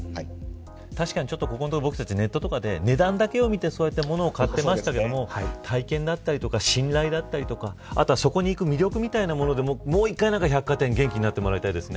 確かに最近、ここのところネットで値段だけを見て物を買っていましたが体験だったりとか信頼だったりとかそこに行く魅力みたいなものでもう一度、百貨店に元気になってもらいたいですね。